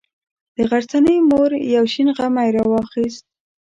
د غرڅنۍ مور یو شین غمی راواخیست.